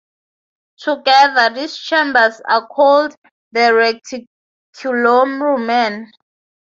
Together, these chambers are called the reticulorumen.